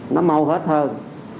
nó mau hết hơn